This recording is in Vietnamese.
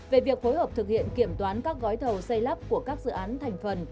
về việc phối hợp thực hiện kiểm toán các gói thầu xây lắp của các dự án thành phần